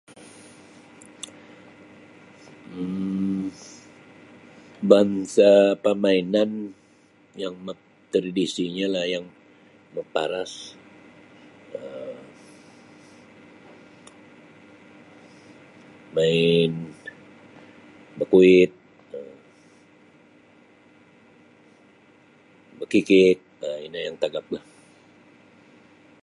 um bansa pamainan yang tradisinyolah yang maparas um main bakuit bakikik um ino yang tagaplah